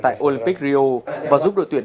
tại olympic rio và giúp đội tuyển